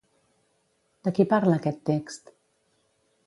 De qui parla aquest text?